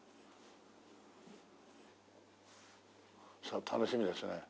さあ楽しみですね。